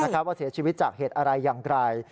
ว่าเสียชีวิตจากเหตุอะไรอย่างไร